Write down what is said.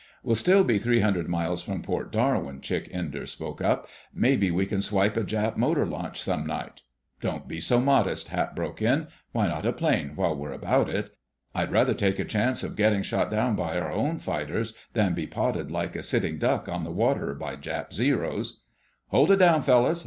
"We'll still be three hundred miles from Port Darwin," Chick Enders spoke up. "Maybe we can swipe a Jap motor launch some night—" "Don't be so modest," Hap broke in. "Why not a plane while we're about it? I'd rather take a chance of getting shot down by our own fighters than be potted like a sitting duck on the water by Jap Zeros." "Hold it down, fellows!"